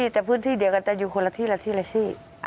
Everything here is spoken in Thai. แต่พื้นที่เดียวกันจะอยู่คนละที่ละทีละที่